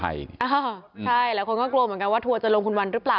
ใช่หลายคนก็กลัวเหมือนกันว่าทัวร์จะลงคุณวันหรือเปล่า